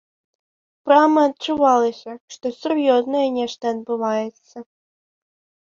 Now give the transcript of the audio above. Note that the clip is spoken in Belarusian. Прама адчувалася, што сур'ёзнае нешта адбываецца.